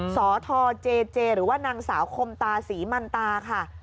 สทเจเจหรือว่านางสาวคมตาศรีมันตาค่ะ